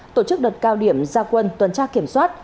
tổ chức đợt cao điểm gia quân tuần tra kiểm soát